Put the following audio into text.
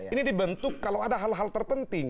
ini dibentuk kalau ada hal hal terpenting